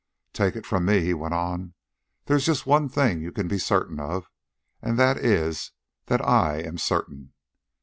"Take it from me," he went on, "there's just one thing you can be certain of an' that is that I am certain."